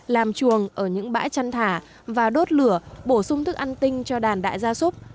làm chuồng ở những bãi chăn thả và đốt lửa bổ sung thức ăn tinh cho đàn đại gia súc